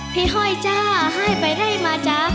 ห้อยจ้าให้ไปให้มาจ๊ะ